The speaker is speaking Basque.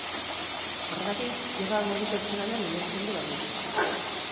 Horregatik, yoga modu pertsonalean ulertzen du bakoitzak.